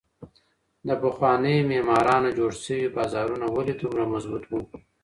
د پخوانیو معمارانو جوړ سوي بازارونه ولي دومره مضبوط وو؟